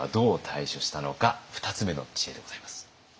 ２つ目の知恵でございます。